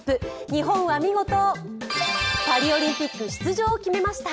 日本は見事、パリオリンピック出場を決めました。